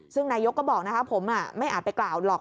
ซึ่งนายกก็บอกนะครับผมไม่อาจไปกล่าวหรอก